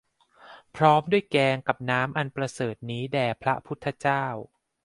พร้อมด้วยแกงกับและน้ำอันประเสริฐนี้แด่พระพุทธเจ้า